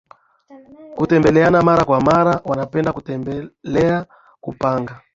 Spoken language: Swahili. hutembeleana mara kwa mara Wanapenda kutembelea kupanga